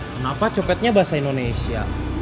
kenapa copetnya bahasa indonesia